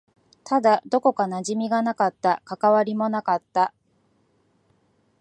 ただ、どこか馴染みがなかった。関わりもなかった。